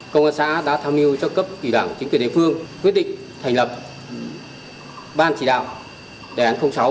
công an xã đã tham nhu cho cấp kỷ đoạn chính quyền đề phương quyết định thành lập ban chỉ đạo đề án sáu